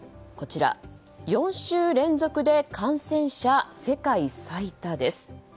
４週連続で感染者世界最多です。